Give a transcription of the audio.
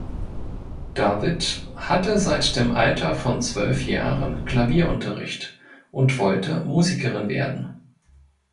Dawid hatte seit dem Alter von zwölf Jahren Klavierunterricht und wollte Musikerin werden.